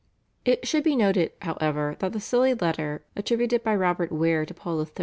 It should be noted, however, that the silly letter attributed by Robert Ware to Paul III.